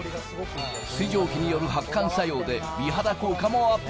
水蒸気による発汗作用で美肌効果もアップ。